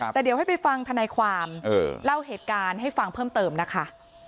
แต่เดี๋ยวให้ไปฟังธนายความเล่าเหตุการณ์ให้ฟังเพิ่มเติมนะคะ